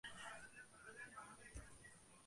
— Tupurdim, xalqigayam, tabiatigayam tupurdim!